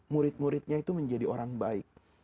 murid muridnya itu menjadi orang baik